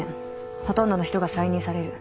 ほとんどの人が再任される。